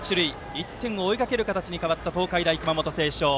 １点を追いかける形に変わった東海大熊本星翔。